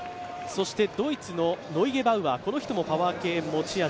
そしてドイツのノイゲバウアー、この人もパワー系持ち味。